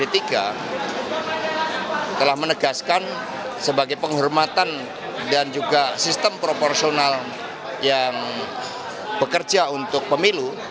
p tiga telah menegaskan sebagai penghormatan dan juga sistem proporsional yang bekerja untuk pemilu